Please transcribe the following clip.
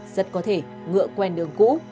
rất có thể ngựa quen đường cũ